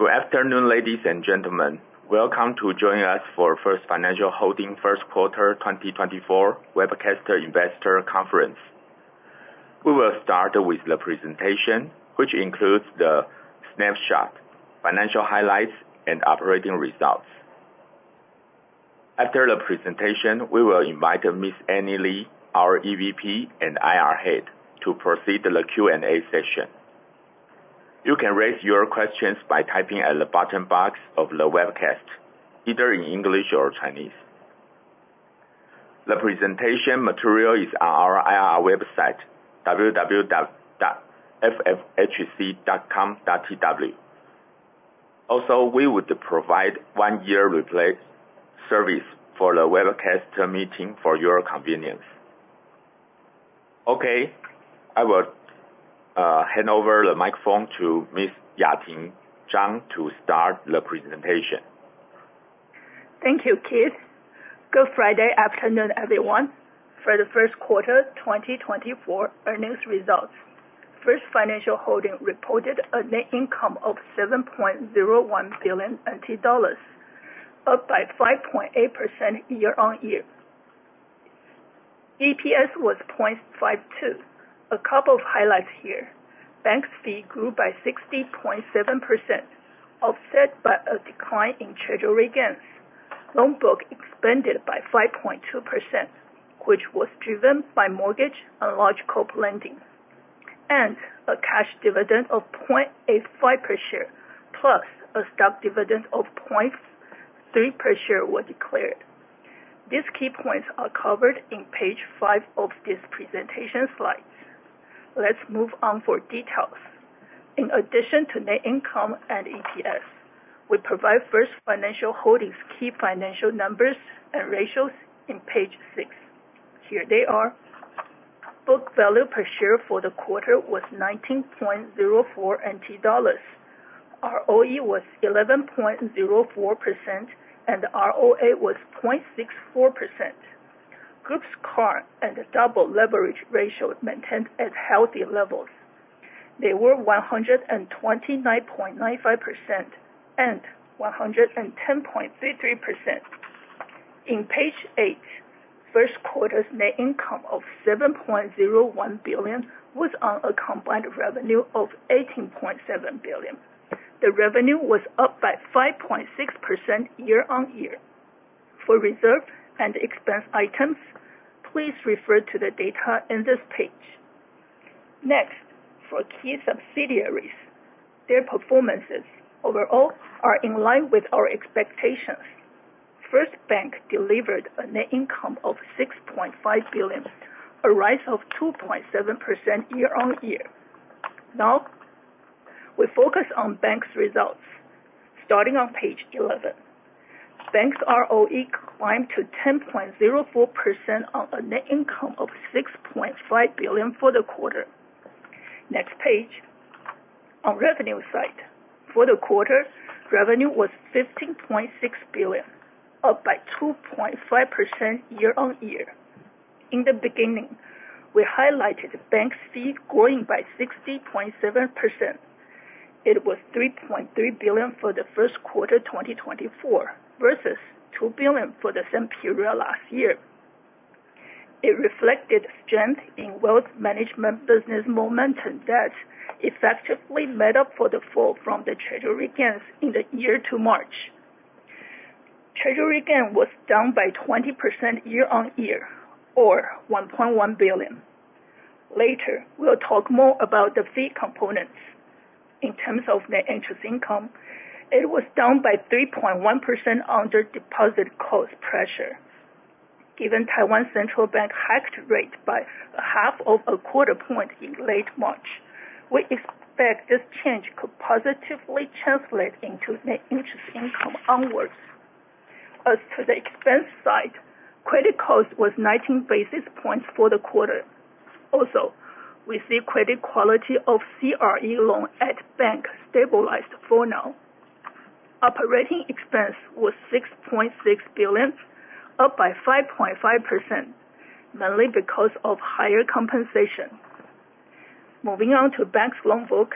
Good afternoon, ladies and gentlemen. Welcome to join us for First Financial Holding first quarter 2024 Webcaster Investor Conference. We will start with the presentation, which includes the snapshot, financial highlights, and operating results. After the presentation, we will invite Ms. Annie Lee, our EVP and IR Head, to proceed to the Q&A session. You can raise your questions by typing at the bottom box of the webcast, either in English or Chinese. The presentation material is on our IR website, www.ffhc.com.tw. Also, we would provide one-year replay service for the webcast meeting for your convenience. I will hand over the microphone to Ms. Yating Chang to start the presentation. Thank you, Keith. Good Friday afternoon, everyone. For the first quarter 2024 earnings results, First Financial Holding reported a net income of 7.01 billion NT dollars, up by 5.8% year-over-year. EPS was 0.52. A couple of highlights here. Bank fee grew by 60.7%, offset by a decline in treasury gains. Loan book expanded by 5.2%, which was driven by mortgage and large corp lending. A cash dividend of 0.85 per share, plus a stock dividend of 0.3 per share was declared. These key points are covered on page five of this presentation slides. Let's move on for details. In addition to net income and EPS, we provide First Financial Holding's key financial numbers and ratios on page six. Here they are. Book value per share for the quarter was 19.04 NT dollars. ROE was 11.04%, and ROA was 0.64%. Group's CAR and double leverage ratio maintained at healthy levels. They were 129.95% and 110.33%. In page eight, first quarter's net income of 7.01 billion was on a combined revenue of 18.7 billion. The revenue was up by 5.6% year-over-year. For reserve and expense items, please refer to the data on this page. Next, for key subsidiaries, their performances overall are in line with our expectations. First Commercial Bank delivered a net income of 6.5 billion, a rise of 2.7% year-over-year. Now, we focus on bank's results, starting on page 11. Bank's ROE climbed to 10.04% on a net income of 6.5 billion for the quarter. Next page. On revenue side, for the quarter, revenue was 15.6 billion, up by 2.5% year-over-year. In the beginning, we highlighted bank fee growing by 60.7%. It was 3.3 billion for the first quarter 2024 versus 2 billion for the same period last year. It reflected strength in wealth management business momentum that effectively made up for the fall from the treasury gains in the year to March. Treasury gain was down by 20% year-over-year or 1.1 billion. Later, we'll talk more about the fee components. In terms of net interest income, it was down by 3.1% under deposit cost pressure. Given Central Bank of the Republic of China (Taiwan) hiked rate by half of a quarter point in late March, we expect this change could positively translate into net interest income onwards. As to the expense side, credit cost was 19 basis points for the quarter. Also, we see credit quality of CRE loan at bank stabilized for now. Operating expense was 6.6 billion, up by 5.5%, mainly because of higher compensation. Moving on to bank's loan book.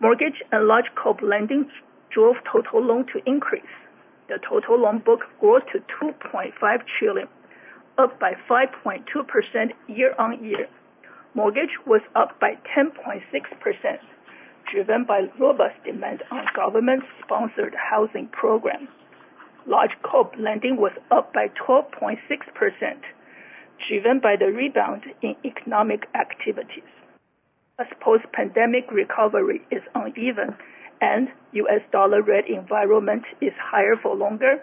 Mortgage and large corp lending drove total loan to increase. The total loan book growth to 2.5 trillion, up by 5.2% year-over-year. Mortgage was up by 10.6%, driven by robust demand on government-sponsored housing programs. Large corp lending was up by 12.6%, driven by the rebound in economic activities. As post-pandemic recovery is uneven and U.S. dollar rate environment is higher for longer,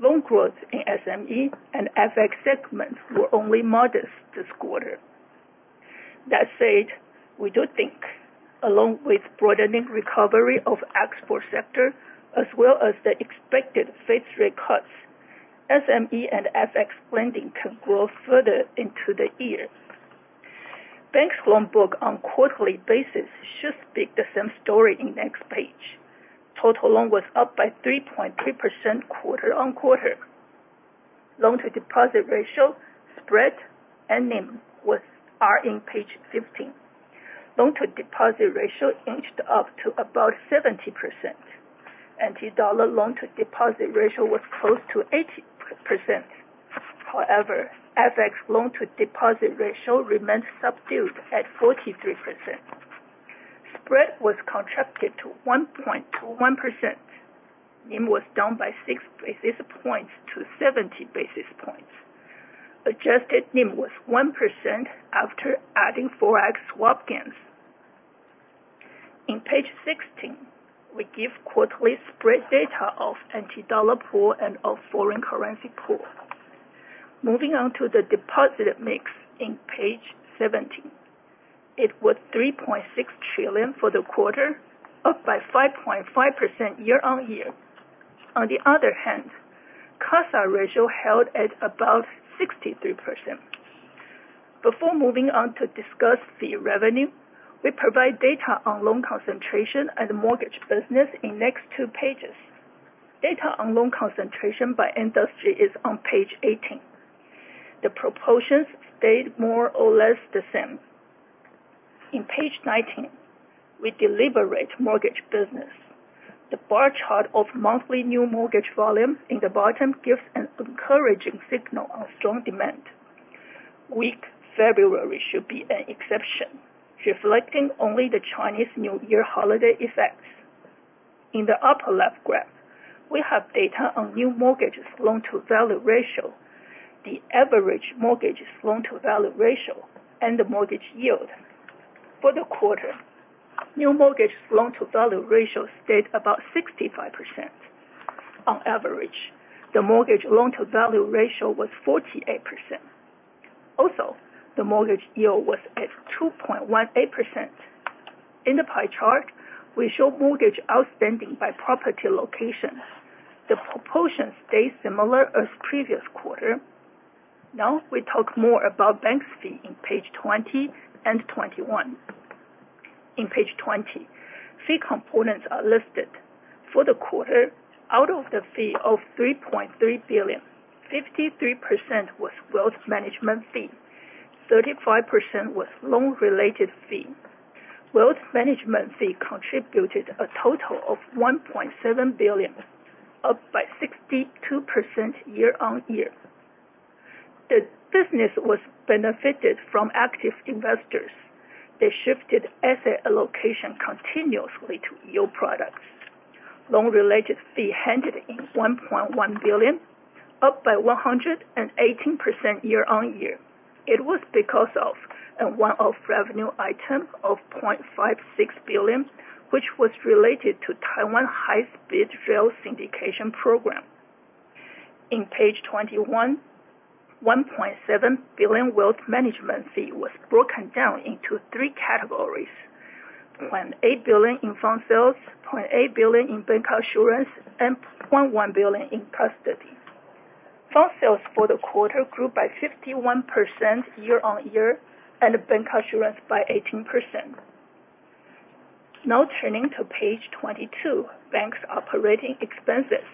loan growth in SME and FX segments were only modest this quarter. That said, we do think along with broadening recovery of export sector as well as the expected federal rate cuts, SME and FX lending can grow further into the year. Bank's loan book on quarterly basis should speak the same story in next page. Total loan was up by 3.3% quarter-over-quarter. Loan to deposit ratio, spread, and NIM are on page 15. Loan to deposit ratio inched up to about 70%, and the dollar loan to deposit ratio was close to 80%. However, FX loan to deposit ratio remains subdued at 43%. Spread was contracted to 1.21%. NIM was down by six basis points to 70 basis points. Adjusted NIM was 1% after adding forex swap gains. On page 16, we give quarterly spread data of non-dollar pool and of foreign currency pool. Moving on to the deposit mix on page 17. It was 3.6 trillion for the quarter, up by 5.5% year-over-year. On the other hand, CASA ratio held at about 63%. Before moving on to discuss fee revenue, we provide data on loan concentration and mortgage business in the next two pages. Data on loan concentration by industry is on page 18. The proportions stayed more or less the same. On page 19, we deliberate mortgage business. The bar chart of monthly new mortgage volume in the bottom gives an encouraging signal on strong demand. Weak February should be an exception, reflecting only the Chinese New Year holiday effects. In the upper left graph, we have data on new mortgages loan to value ratio, the average mortgages loan to value ratio, and the mortgage yield. For the quarter, new mortgages loan to value ratio stayed about 65%. On average, the mortgage loan to value ratio was 48%. Also, the mortgage yield was at 2.18%. In the pie chart, we show mortgage outstanding by property location. The proportion stays similar as previous quarter. Now, we talk more about bank's fee on page 20 and 21. On page 20, fee components are listed. For the quarter, out of the fee of 3.3 billion, 53% was wealth management fee, 35% was loan-related fee. Wealth management fee contributed a total of 1.7 billion, up by 62% year-over-year. The business benefited from active investors. They shifted asset allocation continuously to yield products. Loan related fee ended in 1.1 billion, up by 118% year-over-year. It was because of a one-off revenue item of 0.56 billion, which was related to Taiwan High Speed Rail syndication program. On page 21, 1.7 billion wealth management fee was broken down into 3 categories: 0.8 billion in front sales, 0.8 billion in bank insurance, and 0.1 billion in custody. Front sales for the quarter grew by 51% year-over-year, and bank insurance by 18%. Now turning to page 22, bank's operating expenses.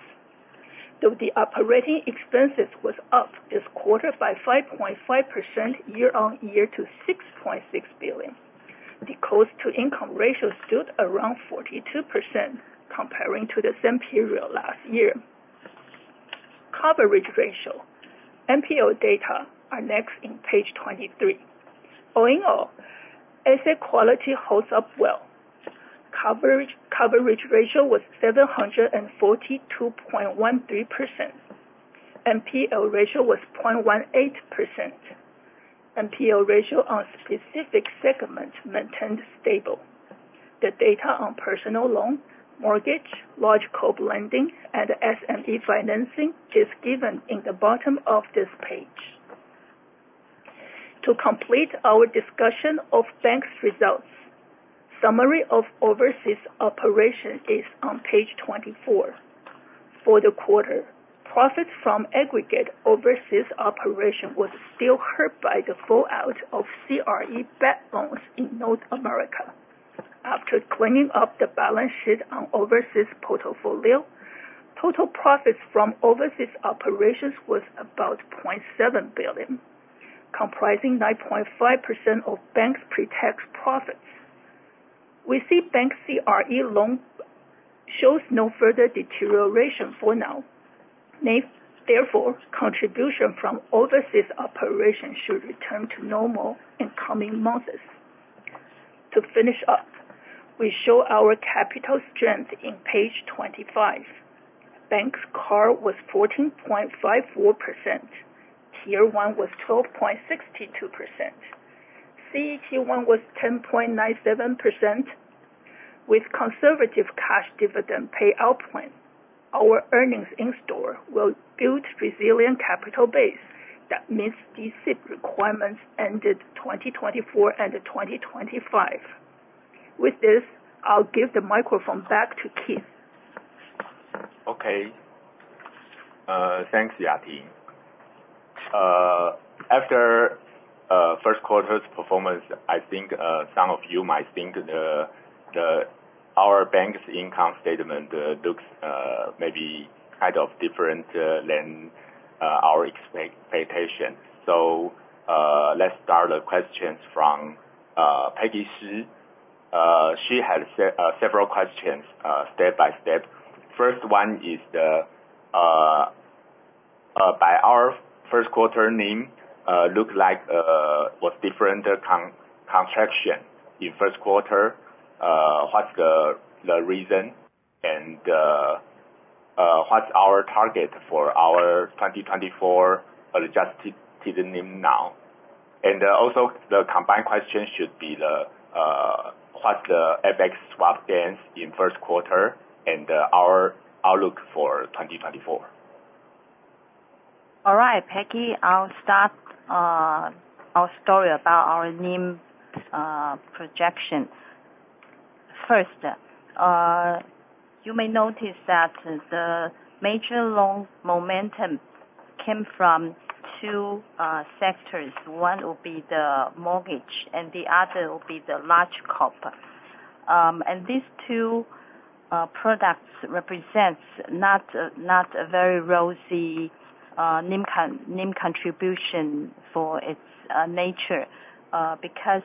Though the operating expenses was up this quarter by 5.5% year-over-year to 6.6 billion, the cost to income ratio stood around 42% comparing to the same period last year. Coverage ratio. NPL data are next on page 23. All in all, asset quality holds up well. Coverage ratio was 742.13%. NPL ratio was 0.18%. NPL ratio on specific segments maintained stable. The data on personal loan, mortgage, large corp lending, and SME financing is given in the bottom of this page. To complete our discussion of bank's results, summary of overseas operation is on page 24. For the quarter, profits from aggregate overseas operation was still hurt by the fallout of CRE backed bonds in North America. After cleaning up the balance sheet on overseas portfolio, total profits from overseas operations was about 0.7 billion, comprising 9.5% of bank's pre-tax profits. We see bank CRE loan shows no further deterioration for now. Therefore, contribution from overseas operation should return to normal in coming months. To finish up, we show our capital strength on page 25. Bank's CAR was 14.54%. Tier 1 was 12.62%. CET 1 was 10.97%. With conservative cash dividend payout plan, our earnings in store will build resilient capital base that meets the SIFI requirements ended 2024 and 2025. With this, I'll give the microphone back to Keith. Thanks, Yati. After quarter's performance, I think some of you might think our bank's income statement looks maybe kind of different than our expectation. Let's start the questions from Peggy Shiu. She has several questions step by step. First one is by our first quarter NIM look like was different contraction in first quarter. What's the reason, and what's our target for our 2024 adjusted NIM now? Also, the combined question should be what the FX swap gains in first quarter and our outlook for 2024. All right, Peggy, I'll start our story about our NIM projection. First, you may notice that the major loan momentum came from two sectors. One will be the mortgage, and the other will be the large corp. These two products represents not a very rosy NIM contribution for its nature, because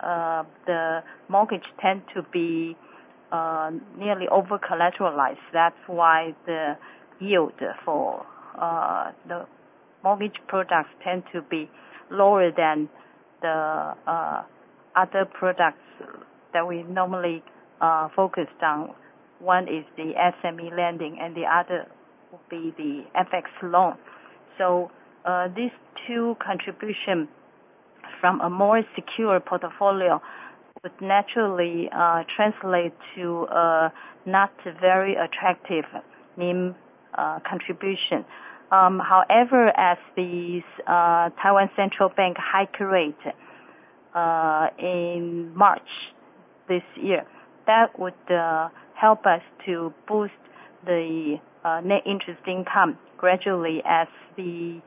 the mortgage tend to be nearly over-collateralized. That's why the yield for the mortgage products tend to be lower than the other products that we normally focus on. One is the SME lending, and the other will be the FX loan. These two contribution from a more secure portfolio would naturally translate to not very attractive NIM contribution. As the Taiwan Central Bank hike rate in March this year, that would help us to boost the net interest income gradually as the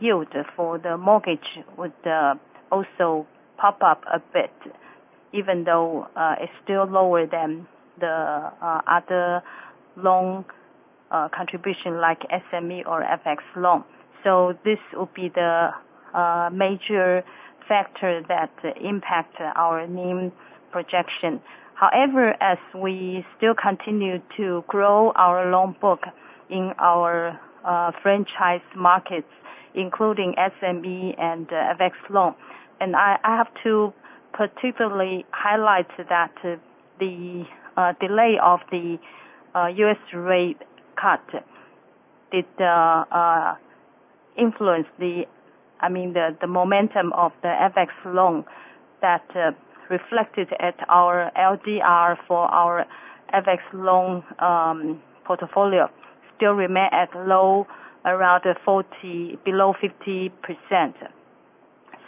yield for the mortgage would also pop up a bit, even though it's still lower than the other loan contribution like SME or FX loan. This will be the major factor that impact our NIM projection. As we still continue to grow our loan book in our franchise markets, including SME and FX loan. I have to particularly highlight that the delay of the U.S. rate cut did influence the momentum of the FX loan that reflected at our LDR for our FX loan portfolio. Still remain at low, around below 50%.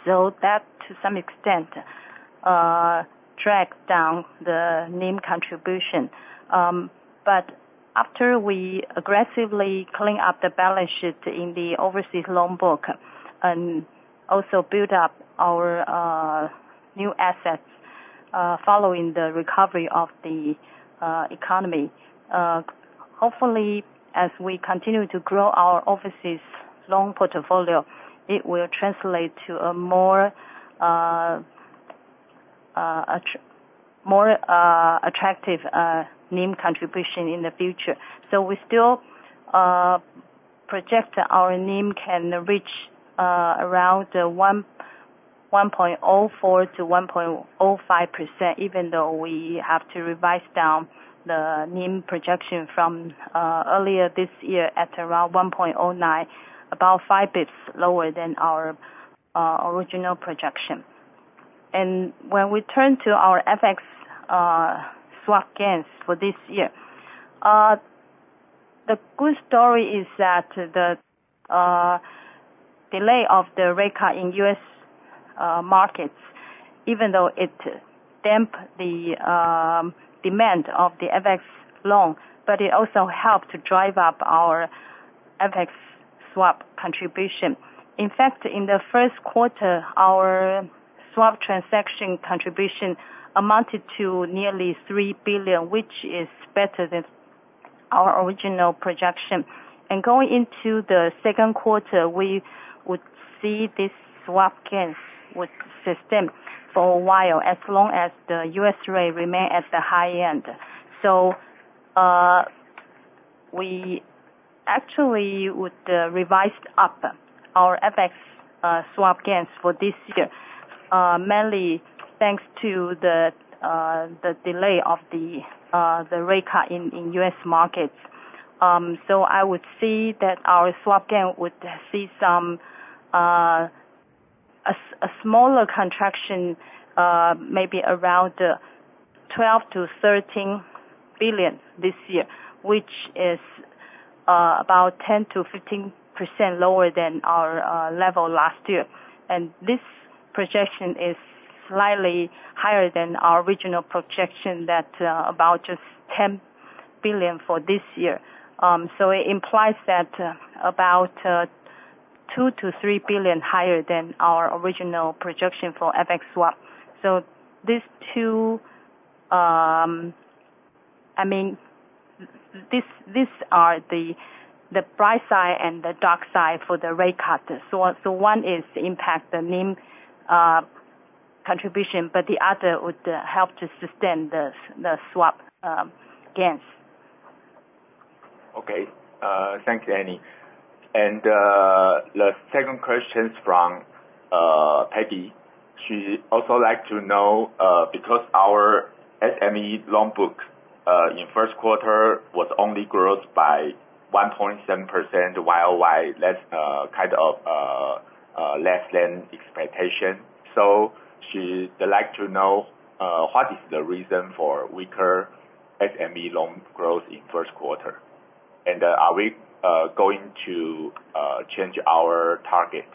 That, to some extent, dragged down the NIM contribution. After we aggressively clean up the balance sheet in the overseas loan book and also build up our new assets following the recovery of the economy, hopefully, as we continue to grow our overseas loan portfolio, it will translate to a more attractive NIM contribution in the future. We still project that our NIM can reach around 1.04%-1.05%, even though we have to revise down the NIM projection from earlier this year at around 1.09%, about 5 basis points lower than our original projection. When we turn to our FX swap gains for this year, the good story is that the delay of the rate cut in U.S. markets, even though it damp the demand of the FX loan, it also help to drive up our FX swap contribution. In fact, in the first quarter, our swap transaction contribution amounted to nearly 3 billion, which is better than our original projection. Going into the second quarter, we would see this swap gains would sustain for a while, as long as the U.S. rate remain at the high end. We actually would revise up our FX swap gains for this year, mainly thanks to the delay of the rate cut in U.S. markets. I would see that our swap gain would see a smaller contraction, maybe around 12 billion-13 billion this year, which is about 10%-15% lower than our level last year. This projection is slightly higher than our original projection that about just 10 billion for this year. It implies that about 2 billion-3 billion higher than our original projection for FX swap. These two are the bright side and the dark side for the rate cut. One is impact the NIM contribution, but the other would help to sustain the swap gains. Okay. Thanks, Annie. The second question is from Peggy. She also like to know, because our SME loan book in first quarter was only growth by 1.7% YY, less than expectation. She's like to know what is the reason for weaker SME loan growth in first quarter, and are we going to change our target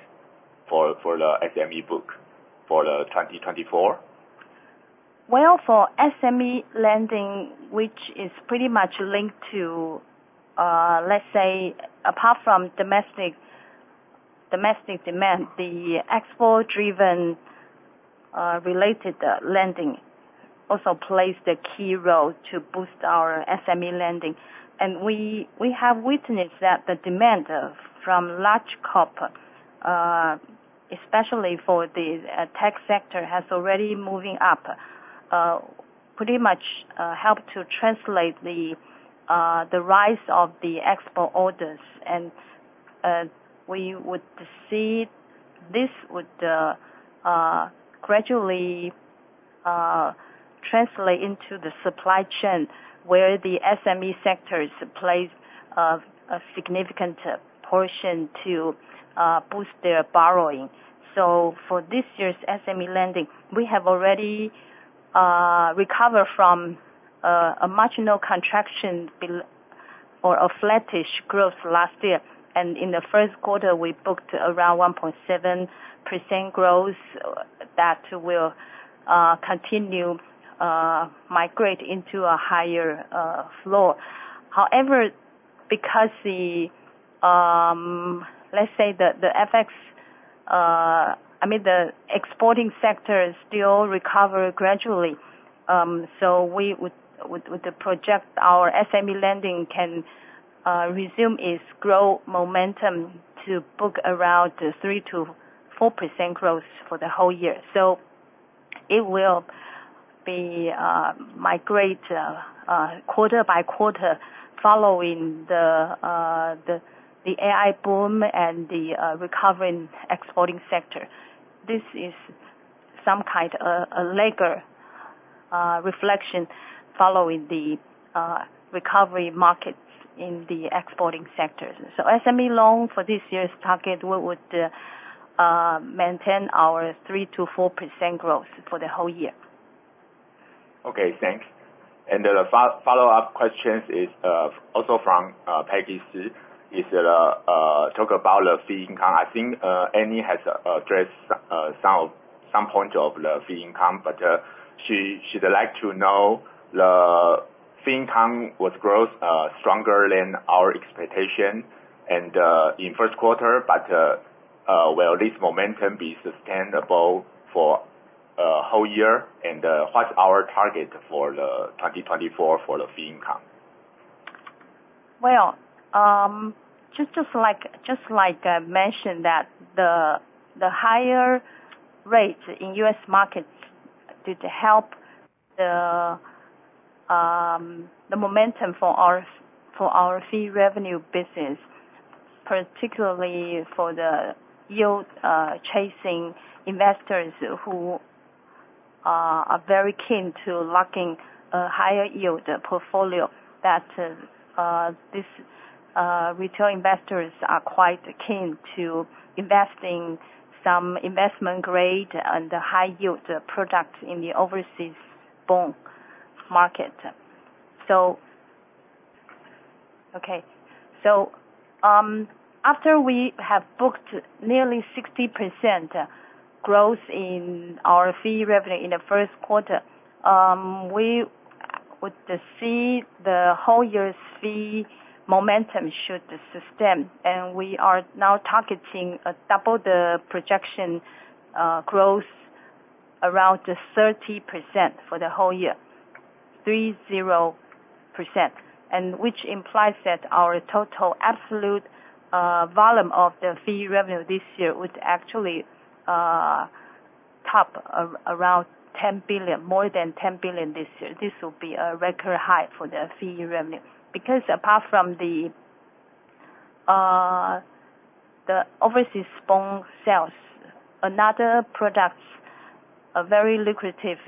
for the SME book for the 2024? Well, for SME lending, which is pretty much linked to, let's say, apart from domestic demand, the export driven related lending also plays the key role to boost our SME lending. We have witnessed that the demand from large corp, especially for the tech sector, has already moving up, pretty much help to translate the rise of the export orders. We would see this would gradually translate into the supply chain where the SME sectors plays a significant portion to boost their borrowing. For this year's SME lending, we have already recovered from a marginal contraction below or a flattish growth last year. In the first quarter, we booked around 1.7% growth that will continue migrate into a higher floor. However, because the exporting sector still recover gradually, we would project our SME lending can resume its growth momentum to book around 3%-4% growth for the whole year. It will be migrate quarter by quarter following the AI boom and the recovering exporting sector. This is some kind of a lagger reflection following the recovery markets in the exporting sectors. SME loan for this year's target, we would maintain our 3%-4% growth for the whole year. Okay, thanks. The follow-up questions is also from Peggy Shiu, is talk about the fee income. I think Annie has addressed some point of the fee income, she'd like to know the fee income was growth stronger than our expectation in first quarter, will this momentum be sustainable for whole year? What's our target for the 2024 for the fee income? Well, just like I mentioned that the higher rates in U.S. markets did help the momentum for our fee revenue business, particularly for the yield chasing investors who are very keen to locking a higher yield portfolio that these retail investors are quite keen to investing some investment grade and high yield products in the overseas bond market. After we have booked nearly 60% growth in our fee revenue in the first quarter, we would see the whole year fee momentum should sustain, and we are now targeting double the projection growth around 30% for the whole year, 30%. Which implies that our total absolute volume of the fee revenue this year would actually top around more than 10 billion this year. This will be a record high for the fee revenue. Apart from the overseas bond sales, another product, a very lucrative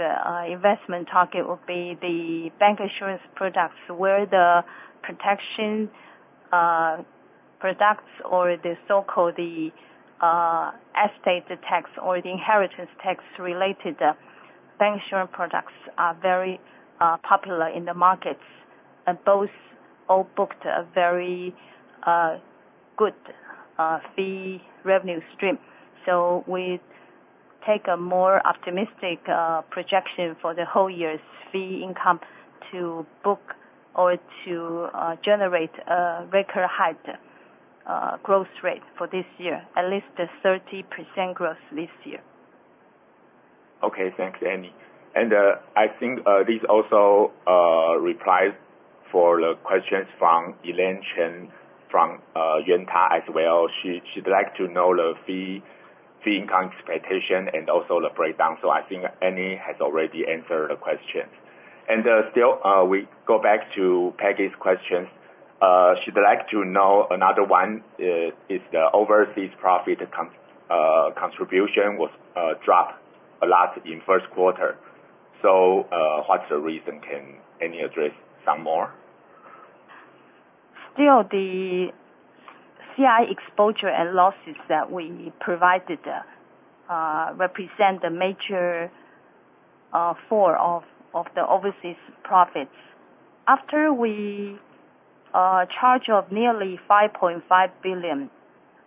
investment target will be the bank insurance products where the protection products or the so-called the estate tax or the inheritance tax related bank insurance products are very popular in the markets. Both all booked a very good fee revenue stream. We take a more optimistic projection for the whole year's fee income to book or to generate a very high growth rate for this year, at least a 30% growth this year. Okay. Thanks, Annie. I think this also replies for the questions from Elaine Chen from Yanta as well. She'd like to know the fee income expectation and also the breakdown. I think Annie has already answered the question. Still, we go back to Peggy's question. She'd like to know another one, is the overseas profit contribution dropped a lot in first quarter. What's the reason? Can Annie address some more? Still, the CRE exposure and losses that we provided represent the major fall of the overseas profits. After we charge off nearly 5.5 billion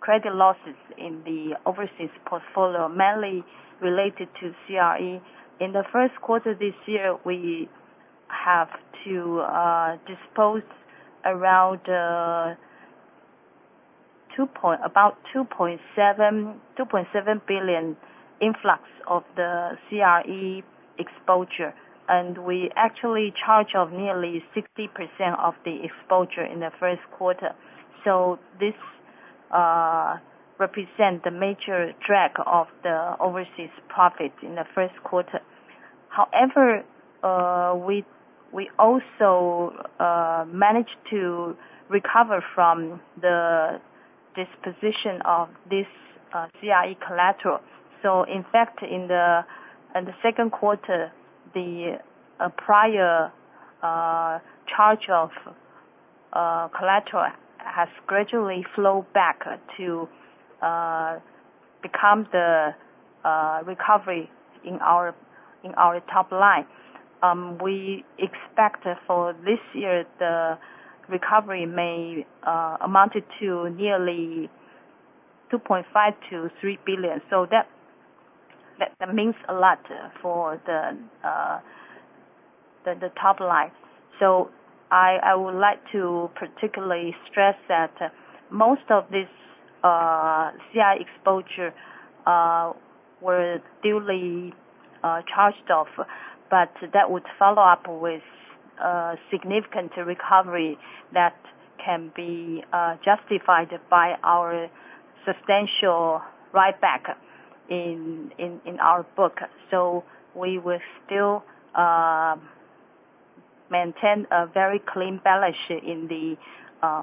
credit losses in the overseas portfolio, mainly related to CRE. In the first quarter this year, we have to dispose about 2.7 billion influx of the CRE exposure. We actually charge off nearly 60% of the exposure in the first quarter. This represent the major drag of the overseas profit in the first quarter. However, we also managed to recover from the disposition of this CRE collateral. In fact, in the second quarter, the prior charge off collateral has gradually flowed back to become the recovery in our top line. We expect for this year, the recovery may amount to nearly 2.5 billion-3 billion. That means a lot for the top line. I would like to particularly stress that most of this CRE exposure were duly charged off, but that would follow up with significant recovery that can be justified by our substantial write-back in our book. We will still maintain a very clean balance sheet in the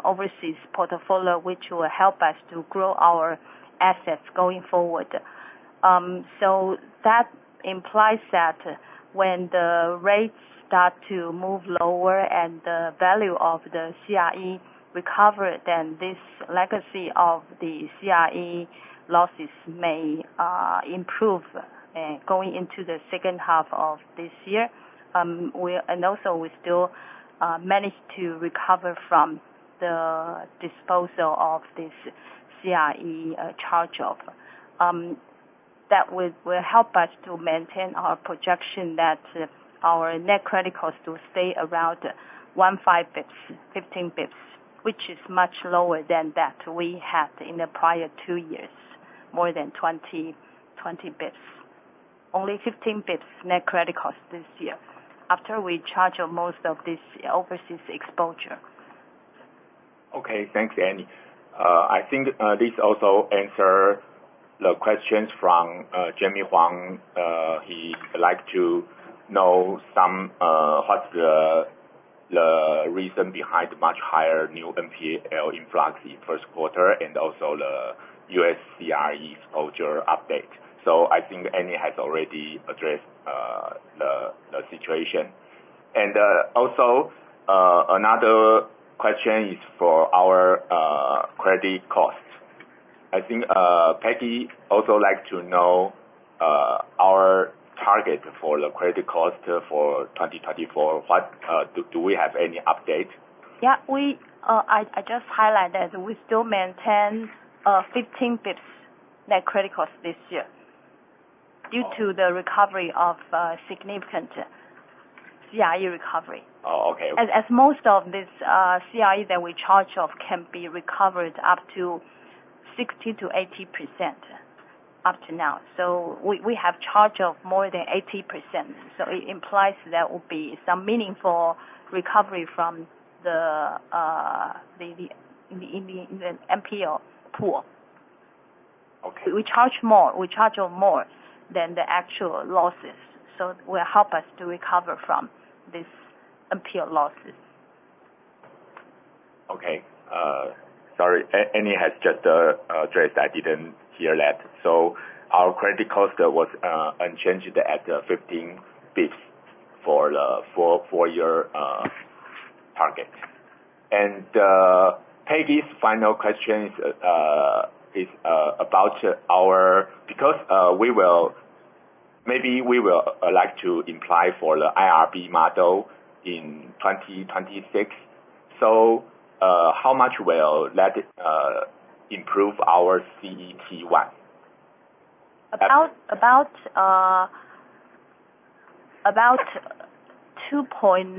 overseas portfolio, which will help us to grow our assets going forward. That implies that when the rates start to move lower and the value of the CRE recover, this legacy of the CRE losses may improve, going into the second half of this year. Also we still managed to recover from the disposal of this CRE charge off. That will help us to maintain our projection that our net credit cost will stay around 15 basis points, which is much lower than that we had in the prior two years, more than 20 basis points. Only 15 basis points net credit cost this year, after we charge off most of this overseas exposure. Okay. Thanks, Annie. I think this also answers the questions from Jimmy Huang. He'd like to know the reason behind much higher new NPL influx in first quarter and also the U.S. CRE exposure update. I think Annie has already addressed the situation. Also, another question is for our credit cost. I think Peggy also like to know our target for the credit cost for 2024. Do we have any update? Yeah. I just highlight that we still maintain 15 basis points net credit cost this year due to the recovery of significant CRE recovery. Oh, okay. As most of this CRE that we charge off can be recovered up to 60%-80% up to now. We have charged off more than 80%, so it implies there will be some meaningful recovery from the NPL pool. Okay. We charged more than the actual losses, so it will help us to recover from this NPL losses. Okay. Sorry, Annie has just addressed, I didn't hear that. Our credit cost was unchanged at 15 basis points for your target. Peggy's final question is about our Maybe we will like to apply for the IRB model in 2026. How much will that improve our CET1? About 2.9%-3%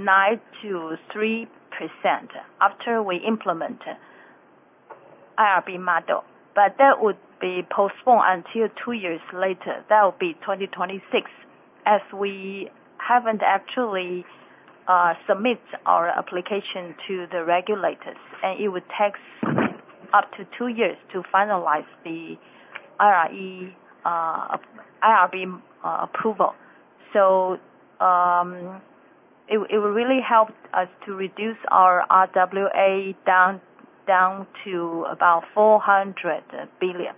after we implement IRB model, that would be postponed until 2 years later. That will be 2026, as we haven't actually submit our application to the regulators, and it would take up to 2 years to finalize the IRB approval. It will really help us to reduce our RWA down to about 400 billion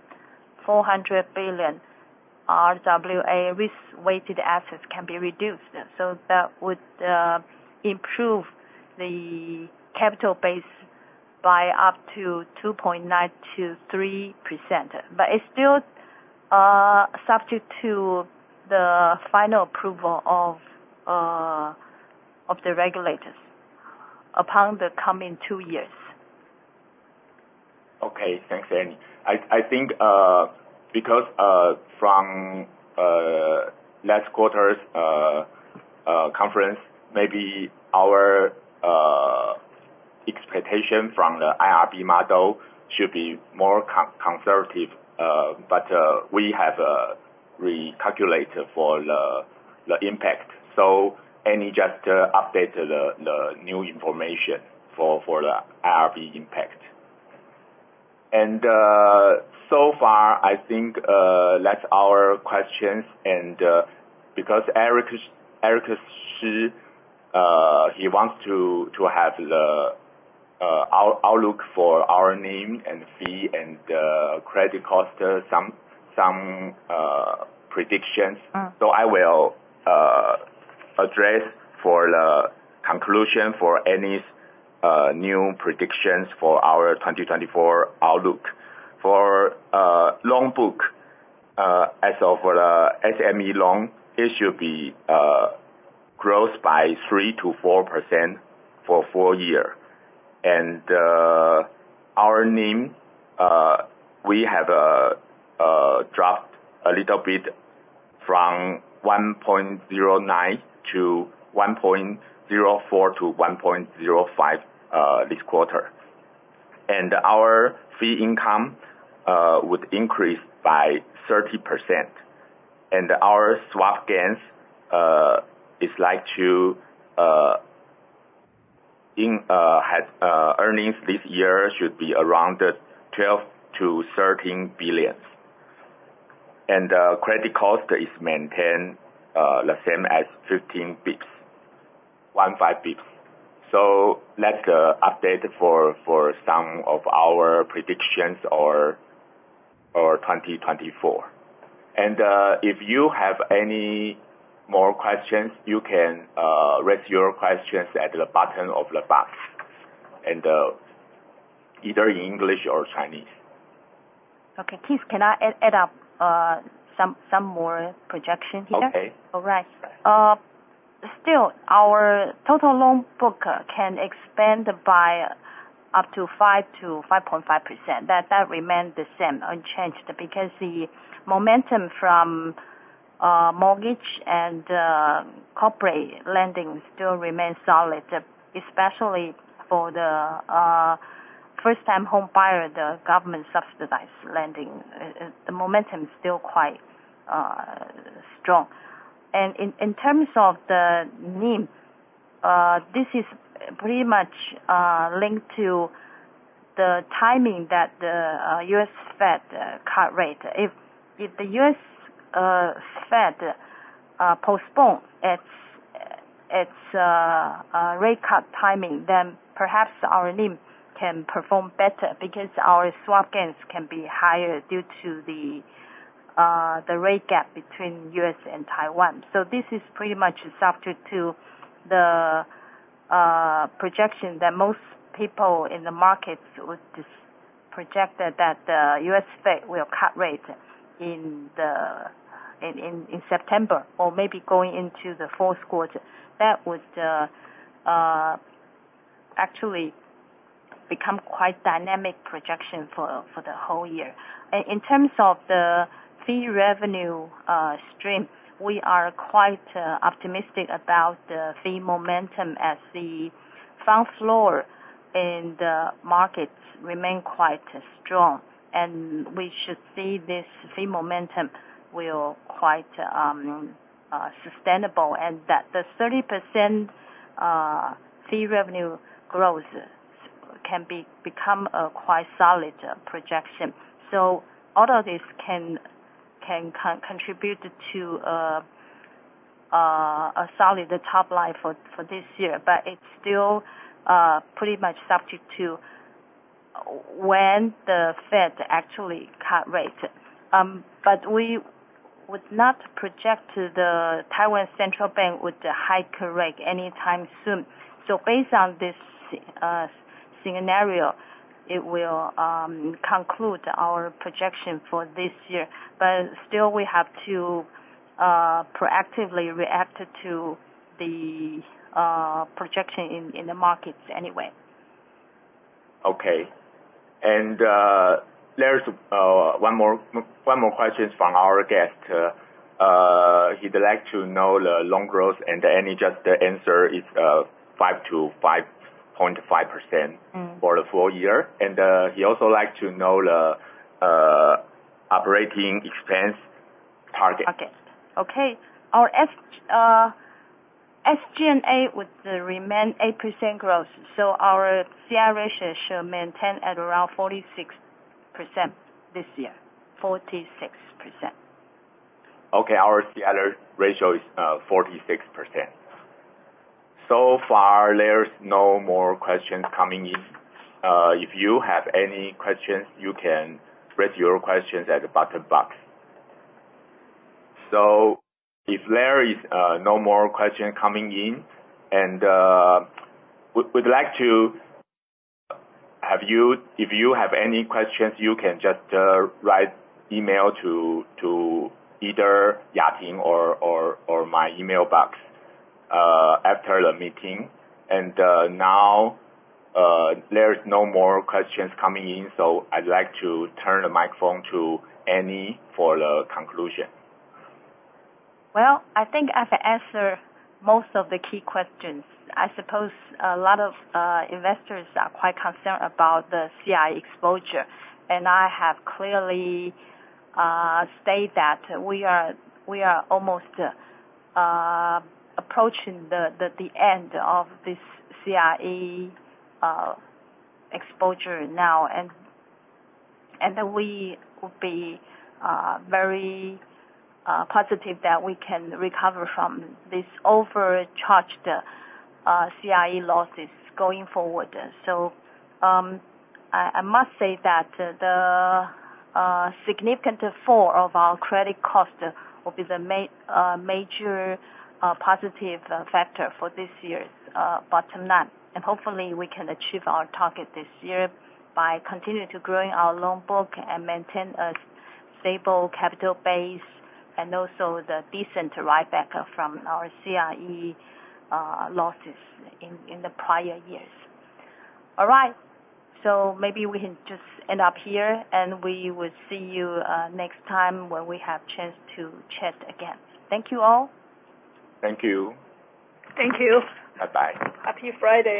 RWA, risk-weighted assets can be reduced. That would improve the capital base by up to 2.9%-3%, but it's still subject to the final approval of the regulators upon the coming 2 years. Okay. Thanks, Annie. I think from last quarter's conference, maybe our expectation from the IRB model should be more conservative, we have recalculated for the impact. Annie just updated the new information for the IRB impact. So far, I think that's our questions. Eric Shi, he wants to have the outlook for our NIM and fee and the credit cost, some predictions. I will address for the conclusion for Annie's new predictions for our 2024 outlook. For loan book, as of the SME loan, it should be growth by 3%-4% for full year. Our NIM, we have dropped a little bit from 1.09 to 1.04 to 1.05 this quarter. Our fee income would increase by 30%. Our swap gains is likely to have earnings this year should be around 12 billion-13 billion. Credit cost is maintained the same as 15 basis points, one five basis points. That's the update for some of our predictions for 2024. If you have any more questions, you can raise your questions at the bottom of the box, either in English or Chinese. Okay, Keith, can I add up some more projection here? Okay. All right. Still, our total loan book can expand by up to 5%-5.5%. That remains the same, unchanged, because the momentum from mortgage and corporate lending still remains solid, especially for the first time home buyer, the government subsidized lending. The momentum is still quite strong. In terms of the NIM, this is pretty much linked to the timing that the U.S. Fed cut rate. If the U.S. Fed postpones its rate cut timing, then perhaps our NIM can perform better because our swap gains can be higher due to the rate gap between U.S. and Taiwan. This is pretty much subject to the projection that most people in the markets would project that the U.S. Fed will cut rates in September, or maybe going into the fourth quarter. That would actually become quite dynamic projection for the whole year. In terms of the fee revenue stream, we are quite optimistic about the fee momentum as the front load in the markets remain quite strong, and we should see this fee momentum will quite sustainable, and that the 30% fee revenue growth can become a quite solid projection. All of this can contribute to a solid top line for this year. It's still pretty much subject to when the Fed actually cut rates. We would not project the Taiwan Central Bank would hike rate anytime soon. Based on this scenario It will conclude our projection for this year. Still, we have to proactively react to the projection in the markets anyway. Okay. There's one more question from our guest. He'd like to know the loan growth, and Annie just answered it's 5%-5.5% for the full year. He'd also like to know the operating expense target. Okay. Our SG&A would remain 8% growth. Our CI ratio should maintain at around 46% this year. 46%. Okay, our CI ratio is 46%. Far, there's no more questions coming in. If you have any questions, you can raise your questions at the bottom box. If there is no more questions coming in, if you have any questions, you can just write email to either Yating or my email box after the meeting. Now, there is no more questions coming in, I'd like to turn the microphone to Annie for the conclusion. Well, I think I've answered most of the key questions. I suppose a lot of investors are quite concerned about the CRE exposure, I have clearly stated that we are almost approaching the end of this CRE exposure now. That we will be very positive that we can recover from this overcharged CRE losses going forward. I must say that the significant fall of our credit cost will be the major positive factor for this year's bottom line. Hopefully, we can achieve our target this year by continuing to grow our loan book and maintain a stable capital base, and also the decent write-back from our CRE losses in the prior years. All right. Maybe we can just end up here, we will see you next time when we have a chance to chat again. Thank you all. Thank you. Thank you. Bye-bye. Happy Friday.